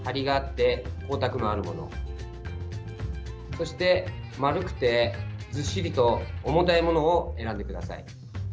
そして丸くてずっしりと重たいものを選んでください。